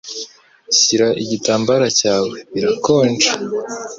Shyira igitambaro cyawe. Birakonje.